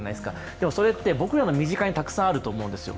でもそれって僕らの身近にたくさんあると思うんですよ。